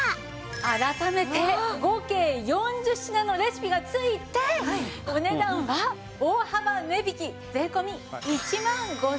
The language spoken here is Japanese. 改めて合計４０品のレシピが付いてお値段は大幅値引き税込１万５０００円です！